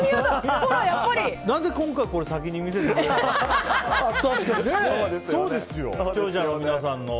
何で今回これ先に見せてくれないの？